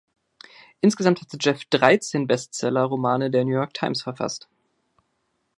Insgesamt hat Jeff dreizehn Bestseller-Romane der „New York Times“ verfasst.